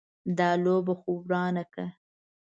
دا لوبه خو ورانه که.